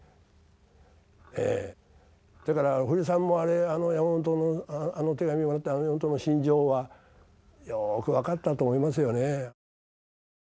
だから堀さんも山本の手紙をもらって山本の心情はよく分かったと思いますよね。